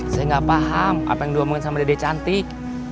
saya gak paham apa yang diomongin sama dede cantik